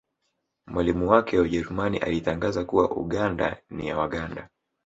Mwalimu wake wa Ujerumani alitangaza kuwa Uganda ni ya Waganda